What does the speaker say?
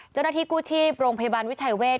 เจ้าหน้าที่กู้ชีพโรงพยาบาลวิชัยเวท